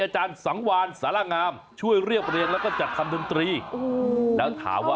มาจะมาใส่คำนิดเดียว